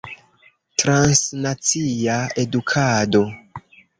Transnacia edukado.